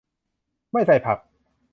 ไม่ใส่ผัก